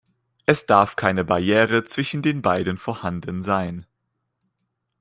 Es darf keine Barriere zwischen den beiden vorhanden sein.